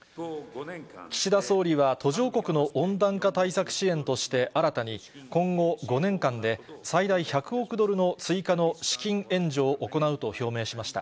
岸田総理は途上国の温暖化対策支援として新たに今後５年間で最大１００億ドルの追加の資金援助を行うと表明しました。